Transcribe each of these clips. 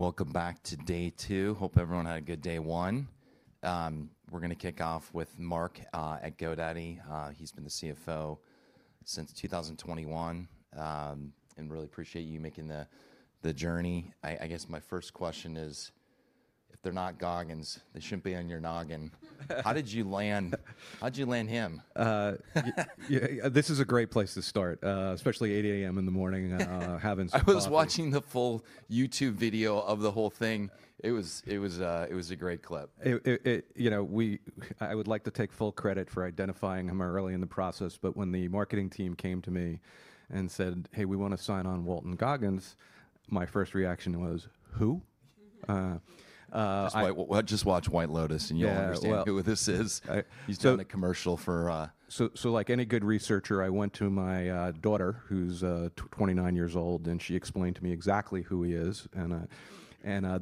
Welcome back to Day Two. Hope everyone had a good Day One. We're going to kick off with Mark at GoDaddy. He's been the CFO since 2021, and really appreciate you making the journey. I guess my first question is, if they're not Goggins, they shouldn't be on your noggin. How did you land—how did you land him? This is a great place to start, especially 8:00 A.M. in the morning having so much. I was watching the full YouTube video of the whole thing. It was a great clip. You know, I would like to take full credit for identifying him early in the process, but when the marketing team came to me and said, "Hey, we want to sign on Walton Goggins," my first reaction was, "Who? Just watch White Lotus and you'll understand who this is. He's doing a commercial for. Like any good researcher, I went to my daughter, who's 29 years old, and she explained to me exactly who he is, and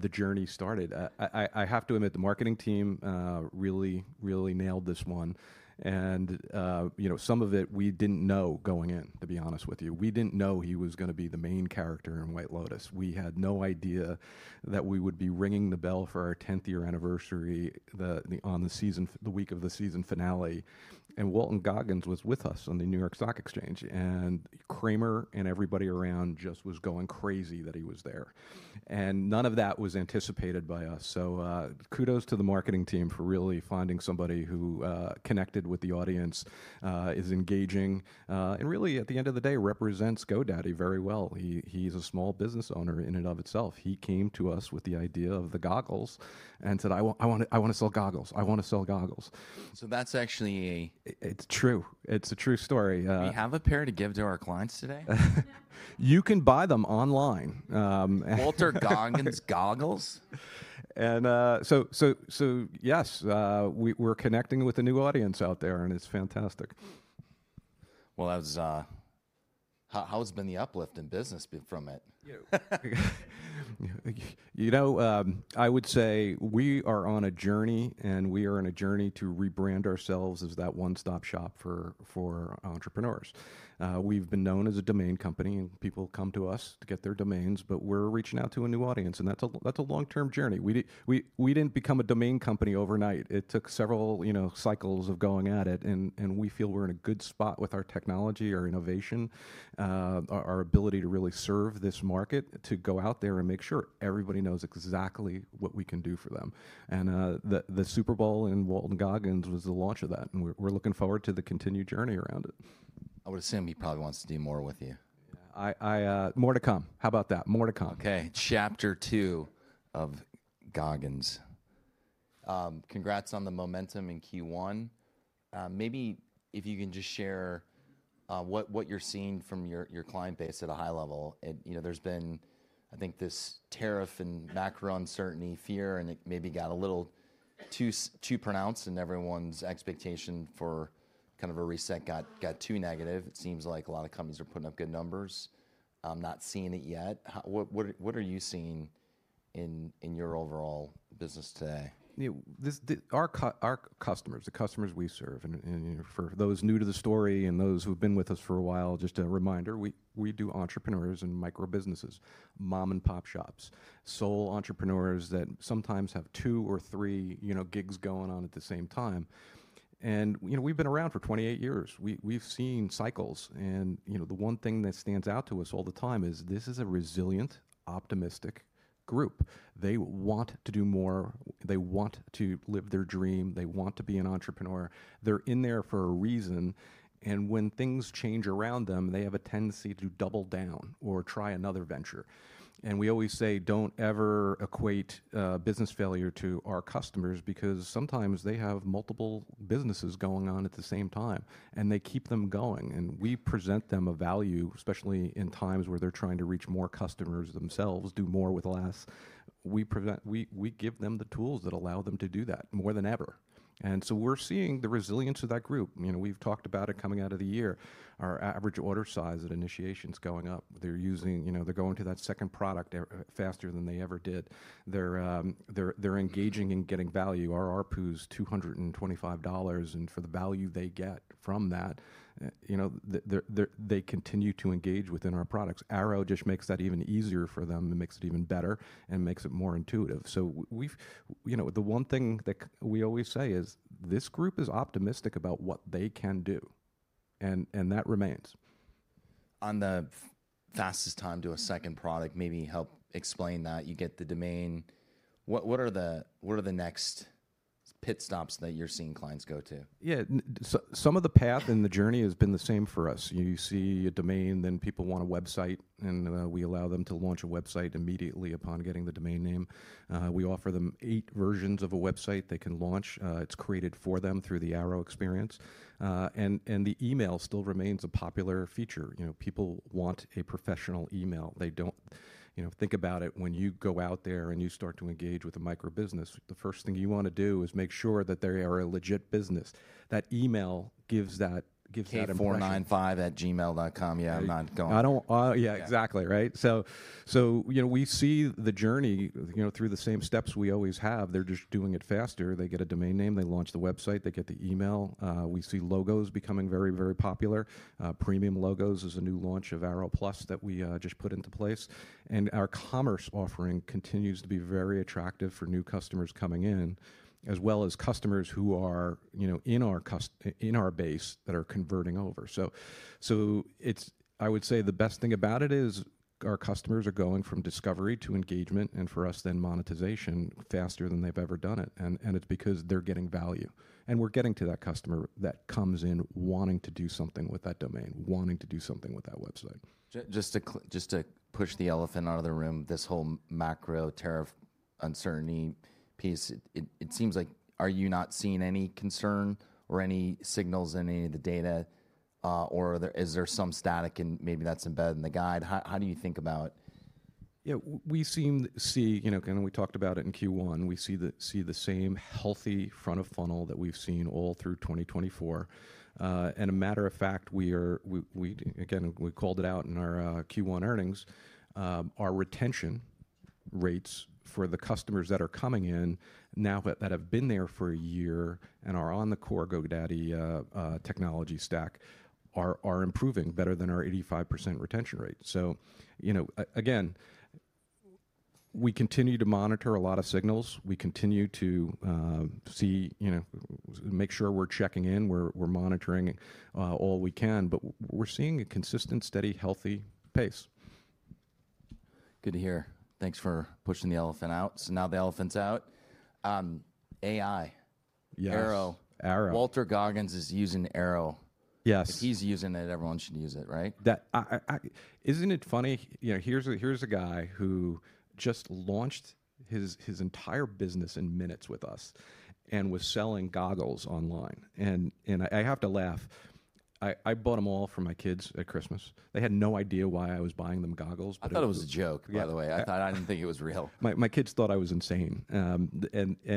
the journey started. I have to admit, the marketing team really, really nailed this one. Some of it, we didn't know going in, to be honest with you. We didn't know he was going to be the main character in White Lotus. We had no idea that we would be ringing the bell for our 10th year anniversary on the week of the season finale. Walton Goggins was with us on the New York Stock Exchange, and Cramer and everybody around just was going crazy that he was there. None of that was anticipated by us. Kudos to the marketing team for really finding somebody who connected with the audience, is engaging, and really, at the end of the day, represents GoDaddy very well. He's a small business owner in and of itself. He came to us with the idea of the goggles and said, "I want to sell goggles. I want to sell goggles. That's actually a. It's true. It's a true story. Do we have a pair to give to our clients today? You can buy them online. Walton Goggins Goggles? Yes, we're connecting with a new audience out there, and it's fantastic. How has been the uplift in business from it? You know, I would say we are on a journey, and we are on a journey to rebrand ourselves as that one-stop shop for entrepreneurs. We've been known as a domain company, and people come to us to get their domains, but we're reaching out to a new audience, and that's a long-term journey. We didn't become a domain company overnight. It took several cycles of going at it, and we feel we're in a good spot with our technology, our innovation, our ability to really serve this market, to go out there and make sure everybody knows exactly what we can do for them. The Super Bowl in Walton Goggins was the launch of that, and we're looking forward to the continued journey around it. I would assume he probably wants to do more with you. More to come. How about that? More to come. Okay. Chapter Two of Goggins. Congrats on the momentum in Q1. Maybe if you can just share what you're seeing from your client base at a high level. There's been, I think, this tariff and macro uncertainty, fear, and it maybe got a little too pronounced, and everyone's expectation for kind of a reset got too negative. It seems like a lot of companies are putting up good numbers. I'm not seeing it yet. What are you seeing in your overall business today? Our customers, the customers we serve, and for those new to the story and those who have been with us for a while, just a reminder, we do entrepreneurs and micro businesses, mom-and-pop shops, sole entrepreneurs that sometimes have two or three gigs going on at the same time. We have been around for 28 years. We have seen cycles. The one thing that stands out to us all the time is this is a resilient, optimistic group. They want to do more. They want to live their dream. They want to be an entrepreneur. They are in there for a reason. When things change around them, they have a tendency to double down or try another venture. We always say, do not ever equate business failure to our customers, because sometimes they have multiple businesses going on at the same time, and they keep them going. We present them a value, especially in times where they're trying to reach more customers themselves, do more with less. We give them the tools that allow them to do that more than ever. We are seeing the resilience of that group. We have talked about it coming out of the year. Our average order size at initiation is going up. They are going to that second product faster than they ever did. They are engaging and getting value. Our ARPU is $225, and for the value they get from that, they continue to engage within our products. Airo just makes that even easier for them and makes it even better and makes it more intuitive. The one thing that we always say is this group is optimistic about what they can do, and that remains. On the fastest time to a second product, maybe help explain that. You get the domain. What are the next pit stops that you're seeing clients go to? Yeah. Some of the path and the journey has been the same for us. You see a domain, then people want a website, and we allow them to launch a website immediately upon getting the domain name. We offer them eight versions of a website they can launch. It's created for them through the Airo experience. And the email still remains a popular feature. People want a professional email. They don't think about it. When you go out there and you start to engage with a micro business, the first thing you want to do is make sure that they are a legit business. That email gives that. 8495@gmail.com. Yeah, I'm not going. Yeah, exactly. Right? We see the journey through the same steps we always have. They're just doing it faster. They get a domain name. They launch the website. They get the email. We see logos becoming very, very popular. Premium logos is a new launch of Airo Plus that we just put into place. Our commerce offering continues to be very attractive for new customers coming in, as well as customers who are in our base that are converting over. I would say the best thing about it is our customers are going from discovery to engagement, and for us, then monetization faster than they've ever done it. It's because they're getting value. We're getting to that customer that comes in wanting to do something with that domain, wanting to do something with that website. Just to push the elephant out of the room, this whole macro tariff uncertainty piece, it seems like, are you not seeing any concern or any signals in any of the data, or is there some static and maybe that's embedded in the guide? How do you think about? Yeah. We seem, and we talked about it in Q1, we see the same healthy front of funnel that we've seen all through 2024. As a matter of fact, again, we called it out in our Q1 earnings, our retention rates for the customers that are coming in now that have been there for a year and are on the core GoDaddy technology stack are improving better than our 85% retention rate. Again, we continue to monitor a lot of signals. We continue to make sure we're checking in. We're monitoring all we can, but we're seeing a consistent, steady, healthy pace. Good to hear. Thanks for pushing the elephant out. So now the elephant's out. AI, Airo. Walton Goggins is using Airo. Yes. If he's using it, everyone should use it, right? Isn't it funny? Here's a guy who just launched his entire business in minutes with us and was selling goggles online. I have to laugh. I bought them all for my kids at Christmas. They had no idea why I was buying them goggles. I thought it was a joke, by the way. I didn't think it was real. My kids thought I was insane. The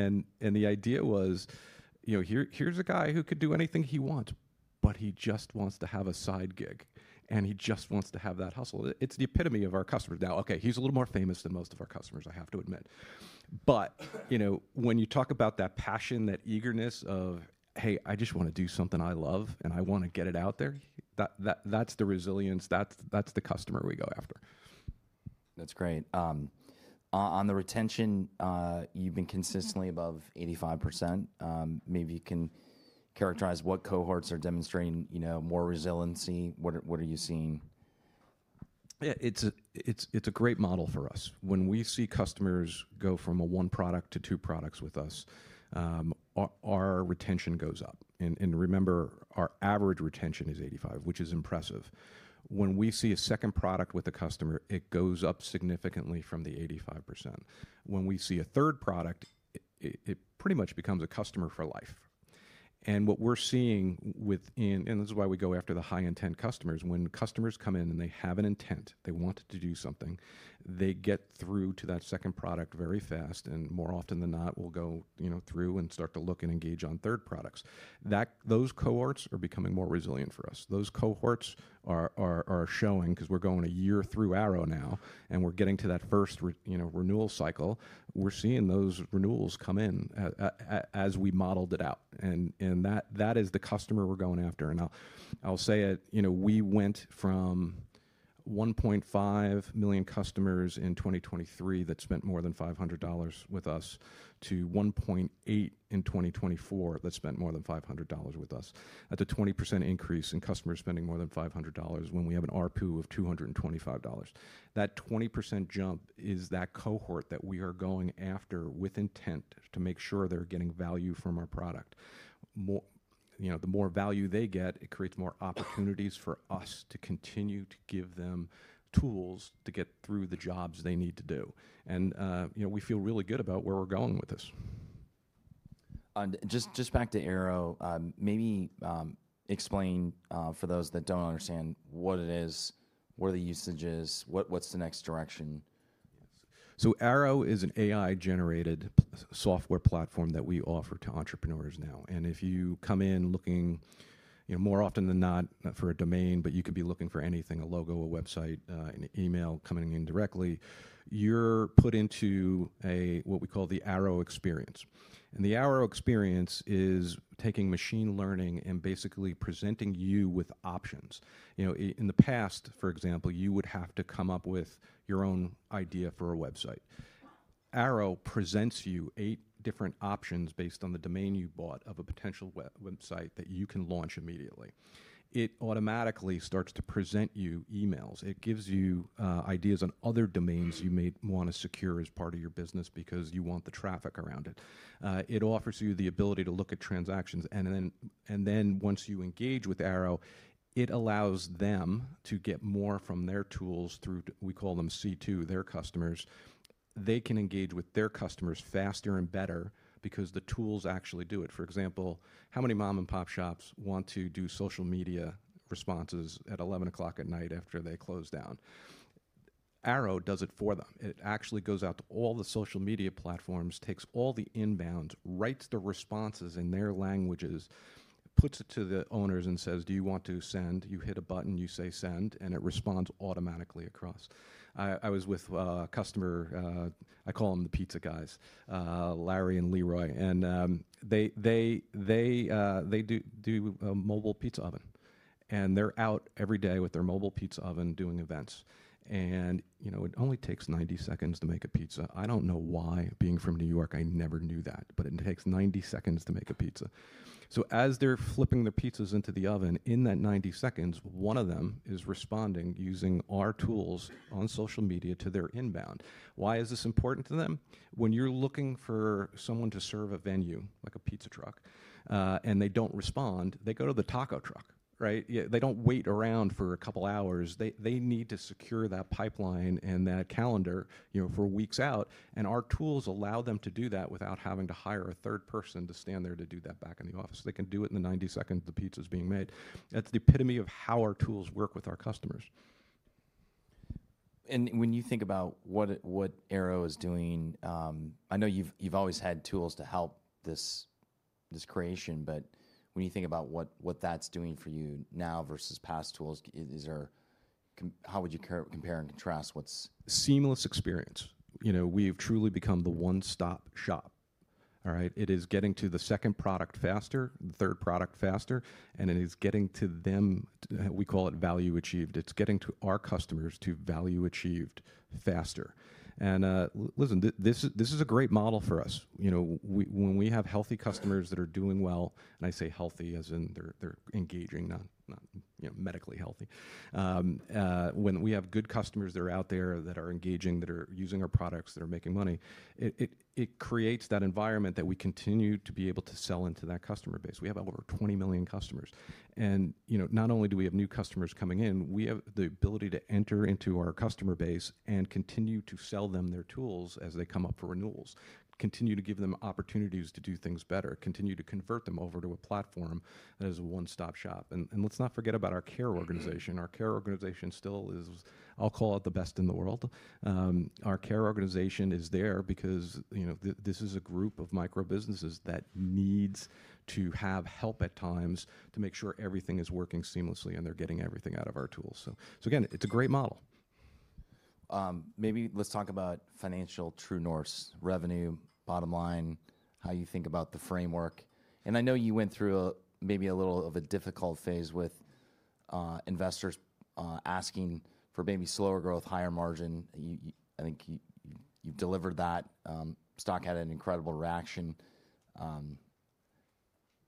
idea was, here's a guy who could do anything he wants, but he just wants to have a side gig, and he just wants to have that hustle. It's the epitome of our customers now. Okay, he's a little more famous than most of our customers, I have to admit. When you talk about that passion, that eagerness of, "Hey, I just want to do something I love, and I want to get it out there," that's the resilience. That's the customer we go after. That's great. On the retention, you've been consistently above 85%. Maybe you can characterize what cohorts are demonstrating more resiliency. What are you seeing? Yeah. It's a great model for us. When we see customers go from one product to two products with us, our retention goes up. Remember, our average retention is 85%, which is impressive. When we see a second product with a customer, it goes up significantly from the 85%. When we see a third product, it pretty much becomes a customer for life. What we're seeing within, and this is why we go after the high-intent customers, when customers come in and they have an intent, they want to do something, they get through to that second product very fast, and more often than not, will go through and start to look and engage on third products. Those cohorts are becoming more resilient for us. Those cohorts are showing, because we're going a year through Airo now, and we're getting to that first renewal cycle. We're seeing those renewals come in as we modeled it out. That is the customer we're going after. I'll say it. We went from 1.5 million customers in 2023 that spent more than $500 with us to 1.8 million in 2024 that spent more than $500 with us. That's a 20% increase in customers spending more than $500 when we have an ARPU of $225. That 20% jump is that cohort that we are going after with intent to make sure they're getting value from our product. The more value they get, it creates more opportunities for us to continue to give them tools to get through the jobs they need to do. We feel really good about where we're going with this. Just back to Airo, maybe explain for those that don't understand what it is, what are the usages, what's the next direction? Airo is an AI-generated software platform that we offer to entrepreneurs now. If you come in looking more often than not for a domain, but you could be looking for anything, a logo, a website, an email coming in directly, you're put into what we call the Airo experience. The Airo experience is taking machine learning and basically presenting you with options. In the past, for example, you would have to come up with your own idea for a website. Airo presents you eight different options based on the domain you bought of a potential website that you can launch immediately. It automatically starts to present you emails. It gives you ideas on other domains you may want to secure as part of your business because you want the traffic around it. It offers you the ability to look at transactions. Once you engage with Airo, it allows them to get more from their tools through, we call them C2, their customers. They can engage with their customers faster and better because the tools actually do it. For example, how many mom-and-pop shops want to do social media responses at 11:00 P.M. after they close down? Airo does it for them. It actually goes out to all the social media platforms, takes all the inbounds, writes the responses in their languages, puts it to the owners and says, "Do you want to send?" You hit a button, you say, "Send," and it responds automatically across. I was with a customer, I call them the pizza guys, Larry and Leroy, and they do a mobile pizza oven. They are out every day with their mobile pizza oven doing events. It only takes 90 seconds to make a pizza. I do not know why, being from New York, I never knew that, but it takes 90 seconds to make a pizza. As they are flipping their pizzas into the oven, in that 90 seconds, one of them is responding using our tools on social media to their inbound. Why is this important to them? When you are looking for someone to serve a venue, like a pizza truck, and they do not respond, they go to the taco truck. They do not wait around for a couple of hours. They need to secure that pipeline and that calendar for weeks out. Our tools allow them to do that without having to hire a third person to stand there to do that back in the office. They can do it in the 90 seconds the pizza is being made. That's the epitome of how our tools work with our customers. When you think about what Airo is doing, I know you've always had tools to help this creation, but when you think about what that's doing for you now versus past tools, how would you compare and contrast? Seamless experience. We have truly become the one-stop shop. It is getting to the second product faster, the third product faster, and it is getting to them, we call it value achieved. It's getting to our customers to value achieved faster. Listen, this is a great model for us. When we have healthy customers that are doing well, and I say healthy as in they're engaging, not medically healthy. When we have good customers that are out there that are engaging, that are using our products, that are making money, it creates that environment that we continue to be able to sell into that customer base. We have over 20 million customers. Not only do we have new customers coming in, we have the ability to enter into our customer base and continue to sell them their tools as they come up for renewals, continue to give them opportunities to do things better, continue to convert them over to a platform that is a one-stop shop. Let's not forget about our care organization. Our care organization still is, I'll call it, the best in the world. Our care organization is there because this is a group of micro businesses that needs to have help at times to make sure everything is working seamlessly and they're getting everything out of our tools. Again, it's a great model. Maybe let's talk about financial true norths, revenue, bottom line, how you think about the framework. I know you went through maybe a little of a difficult phase with investors asking for maybe slower growth, higher margin. I think you've delivered that. Stock had an incredible reaction.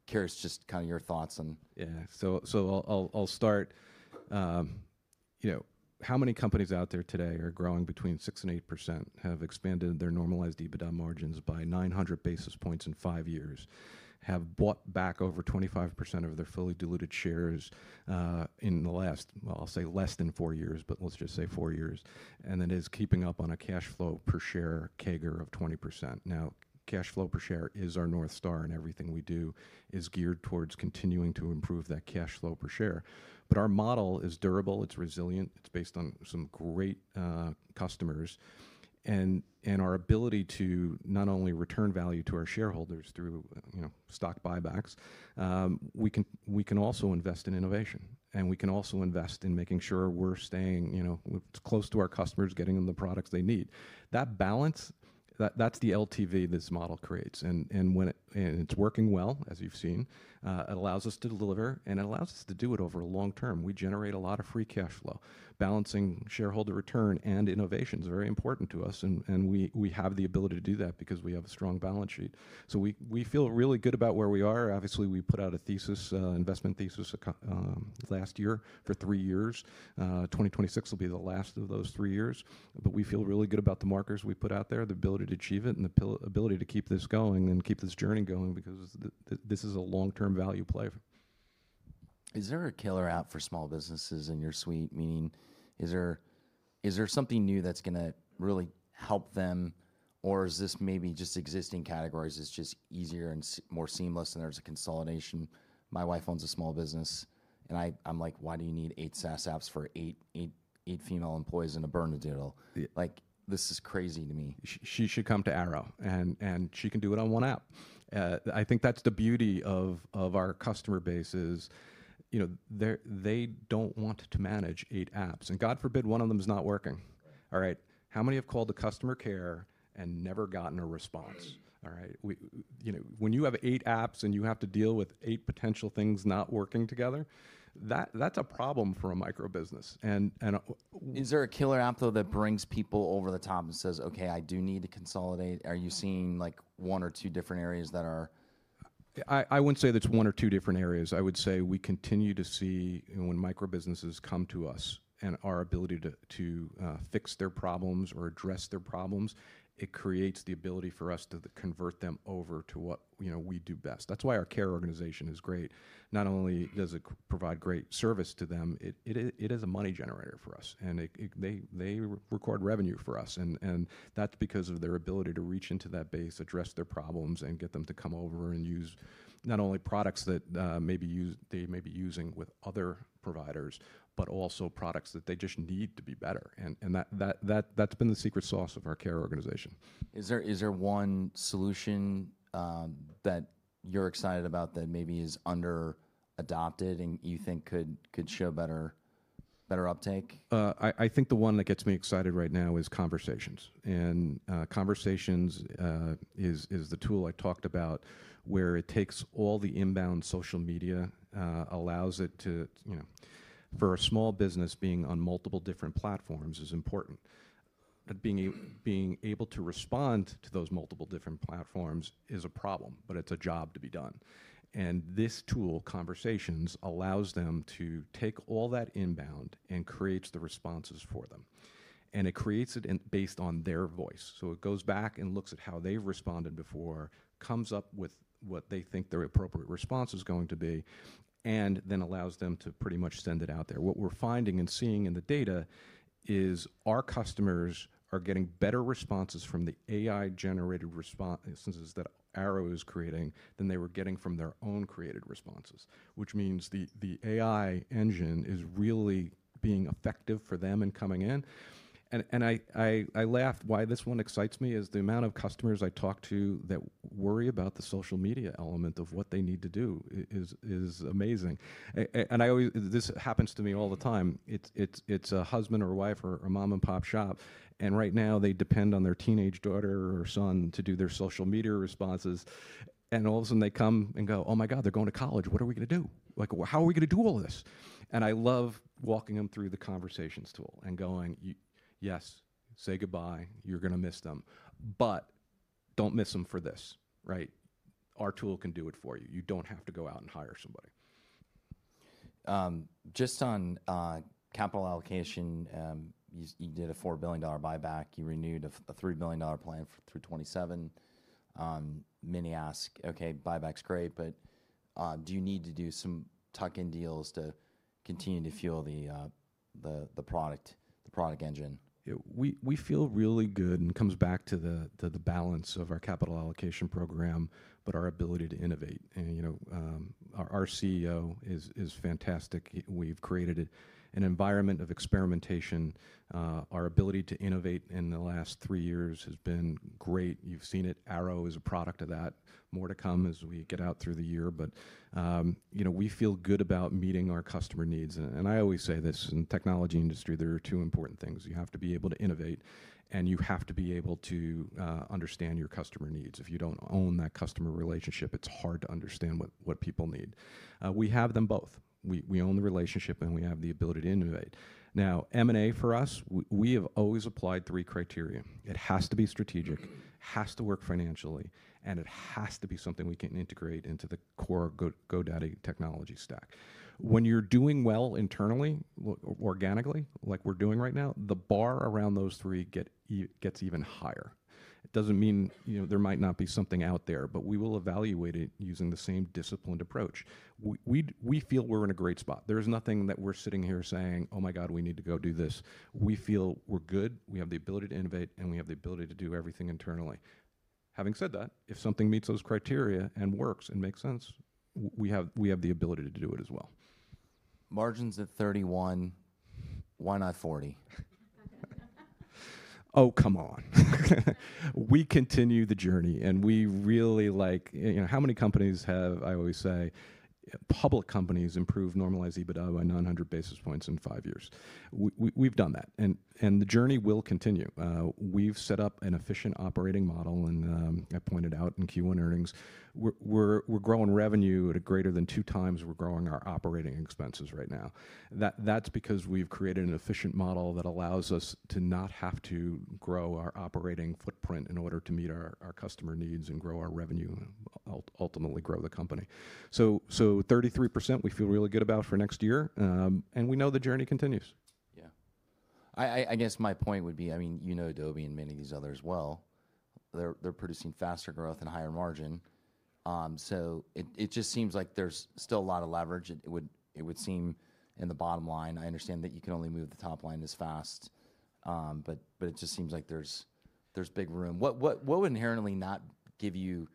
Curious just kind of your thoughts on. Yeah. I'll start. How many companies out there today are growing between 6%-8%, have expanded their normalized EBITDA margins by 900 basis points in five years, have bought back over 25% of their fully diluted shares in the last, I'll say less than four years, but let's just say four years, and then is keeping up on a cash flow per share CAGR of 20%? Now, cash flow per share is our north star in everything we do, is geared towards continuing to improve that cash flow per share. Our model is durable. It's resilient. It's based on some great customers. Our ability to not only return value to our shareholders through stock buybacks, we can also invest in innovation. We can also invest in making sure we're staying close to our customers, getting them the products they need. That balance, that's the LTV this model creates. And it's working well, as you've seen. It allows us to deliver, and it allows us to do it over a long term. We generate a lot of free cash flow. Balancing shareholder return and innovation is very important to us. We have the ability to do that because we have a strong balance sheet. We feel really good about where we are. Obviously, we put out a thesis, investment thesis last year for three years. 2026 will be the last of those three years. We feel really good about the markers we put out there, the ability to achieve it, and the ability to keep this going and keep this journey going because this is a long-term value player. Is there a killer app for small businesses in your suite? Meaning, is there something new that's going to really help them, or is this maybe just existing categories? It's just easier and more seamless, and there's a consolidation. My wife owns a small business, and I'm like, "Why do you need eight SaaS apps for eight female employees in a burned deal?" This is crazy to me. She should come to Airo, and she can do it on one app. I think that's the beauty of our customer base is they don't want to manage eight apps. God forbid one of them is not working. All right. How many have called to customer care and never gotten a response? When you have eight apps and you have to deal with eight potential things not working together, that's a problem for a micro business. Is there a killer app, though, that brings people over the top and says, "Okay, I do need to consolidate"? Are you seeing one or two different areas that are? I wouldn't say there's one or two different areas. I would say we continue to see when micro businesses come to us and our ability to fix their problems or address their problems, it creates the ability for us to convert them over to what we do best. That is why our care organization is great. Not only does it provide great service to them, it is a money generator for us. They record revenue for us. That is because of their ability to reach into that base, address their problems, and get them to come over and use not only products that they may be using with other providers, but also products that they just need to be better. That has been the secret sauce of our care organization. Is there one solution that you're excited about that maybe is under-adopted and you think could show better uptake? I think the one that gets me excited right now is Conversations. Conversations is the tool I talked about where it takes all the inbound social media, allows it to, for a small business being on multiple different platforms, is important. Being able to respond to those multiple different platforms is a problem, but it is a job to be done. This tool, Conversations, allows them to take all that inbound and creates the responses for them. It creates it based on their voice. It goes back and looks at how they have responded before, comes up with what they think their appropriate response is going to be, and then allows them to pretty much send it out there. What we're finding and seeing in the data is our customers are getting better responses from the AI-generated responses that Airo is creating than they were getting from their own created responses, which means the AI engine is really being effective for them and coming in. I laughed why this one excites me is the amount of customers I talk to that worry about the social media element of what they need to do is amazing. This happens to me all the time. It's a husband or wife or a mom-and-pop shop. Right now, they depend on their teenage daughter or son to do their social media responses. All of a sudden, they come and go, "Oh my God, they're going to college. What are we going to do? How are we going to do all this?" I love walking them through the Conversations tool and going, "Yes, say goodbye. You're going to miss them. Do not miss them for this. Our tool can do it for you. You do not have to go out and hire somebody. Just on capital allocation, you did a $4 billion buyback. You renewed a $3 billion plan for 2027. Many ask, "Okay, buyback's great, but do you need to do some tuck-in deals to continue to fuel the product engine? We feel really good, and it comes back to the balance of our capital allocation program, but our ability to innovate. Our CEO is fantastic. We've created an environment of experimentation. Our ability to innovate in the last three years has been great. You've seen it. Airo is a product of that. More to come as we get out through the year. We feel good about meeting our customer needs. I always say this in the technology industry, there are two important things. You have to be able to innovate, and you have to be able to understand your customer needs. If you don't own that customer relationship, it's hard to understand what people need. We have them both. We own the relationship, and we have the ability to innovate. Now, M&A for us, we have always applied three criteria. It has to be strategic, has to work financially, and it has to be something we can integrate into the core GoDaddy technology stack. When you're doing well internally, organically, like we're doing right now, the bar around those three gets even higher. It doesn't mean there might not be something out there, but we will evaluate it using the same disciplined approach. We feel we're in a great spot. There is nothing that we're sitting here saying, "Oh my God, we need to go do this." We feel we're good. We have the ability to innovate, and we have the ability to do everything internally. Having said that, if something meets those criteria and works and makes sense, we have the ability to do it as well. Margins at 31%, why not 40%? Oh, come on. We continue the journey, and we really like, how many companies have, I always say, public companies improved normalized EBITDA by 900 basis points in five years? We've done that, and the journey will continue. We've set up an efficient operating model, and I pointed out in Q1 earnings, we're growing revenue at a greater than two times we're growing our operating expenses right now. That's because we've created an efficient model that allows us to not have to grow our operating footprint in order to meet our customer needs and grow our revenue, ultimately grow the company. So 33%, we feel really good about for next year, and we know the journey continues. Yeah. I guess my point would be, I mean, you know Adobe and many of these others well. They're producing faster growth and higher margin. It just seems like there's still a lot of leverage. It would seem in the bottom line. I understand that you can only move the top line as fast, but it just seems like there's big room. What would inherently not give you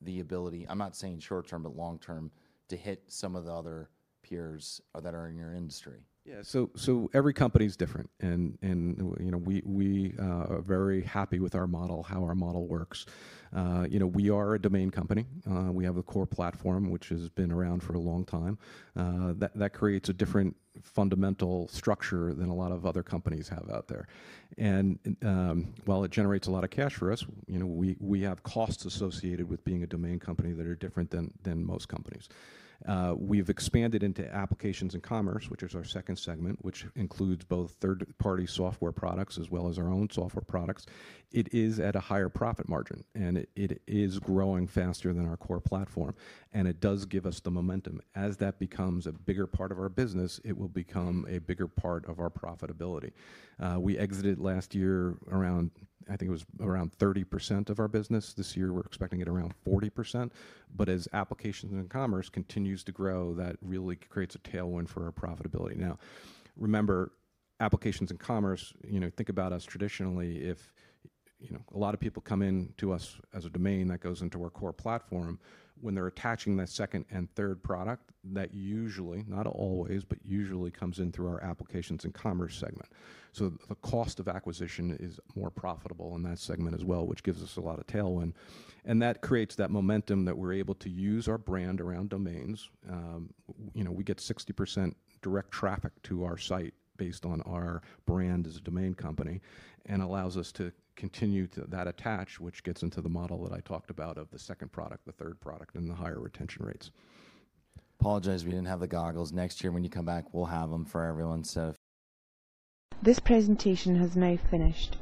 the ability, I'm not saying short term, but long term, to hit some of the other peers that are in your industry? Yeah. Every company is different, and we are very happy with our model, how our model works. We are a domain company. We have a core platform, which has been around for a long time. That creates a different fundamental structure than a lot of other companies have out there. While it generates a lot of cash for us, we have costs associated with being a domain company that are different than most companies. We've expanded into applications and commerce, which is our second segment, which includes both third-party software products as well as our own software products. It is at a higher profit margin, and it is growing faster than our core platform. It does give us the momentum. As that becomes a bigger part of our business, it will become a bigger part of our profitability. We exited last year around, I think it was around 30% of our business. This year, we're expecting it around 40%. As applications and commerce continues to grow, that really creates a tailwind for our profitability. Now, remember, applications and commerce, think about us traditionally. A lot of people come into us as a domain that goes into our core platform. When they're attaching that second and third product, that usually, not always, but usually comes in through our applications and commerce segment. The cost of acquisition is more profitable in that segment as well, which gives us a lot of tailwind. That creates that momentum that we're able to use our brand around domains. We get 60% direct traffic to our site based on our brand as a domain company and allows us to continue that attach, which gets into the model that I talked about of the second product, the third product, and the higher retention rates. Apologize. We didn't have the goggles. Next year, when you come back, we'll have them for everyone. This presentation has now finished.